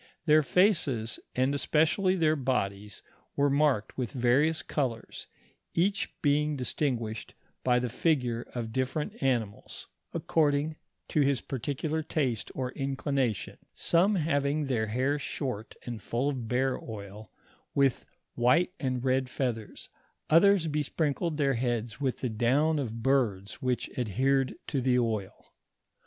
Their faces, and especially their bodies, were marked with various colors, each being dis tinguished by the figure of difiierent animals, according to his t L ISO irABBATTVE OV FATHEB HENSTEFHT. 'S I ,n\ particular taste or inclination ; some having their hair short and full of bear oil, with white and red feathers ; others be sprinkled their heads with the down of birds which adhered to the oil.